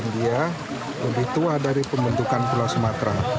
dan dia lebih tua adalah dari pembentukan pulau sumatera